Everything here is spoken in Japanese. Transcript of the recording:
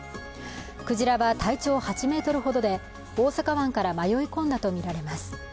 クジラは体長８ｍほどで大阪湾から迷い込んだとみられます。